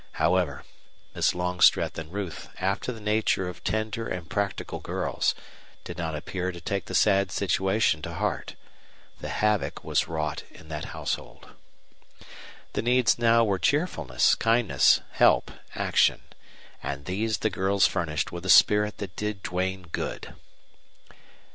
However, Miss Longstreth and Ruth, after the nature of tender and practical girls, did not appear to take the sad situation to heart. The havoc was wrought in that household. The needs now were cheerfulness, kindness, help, action and these the girls furnished with a spirit that did Duane good.